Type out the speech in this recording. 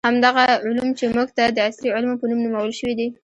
همدغه علوم چې موږ ته د عصري علومو په نوم نومول شوي دي.